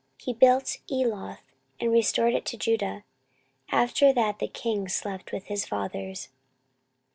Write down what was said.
14:026:002 He built Eloth, and restored it to Judah, after that the king slept with his fathers.